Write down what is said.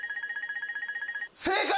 正解！